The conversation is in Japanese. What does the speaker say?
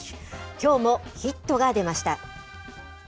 きょうもヒットが出ました。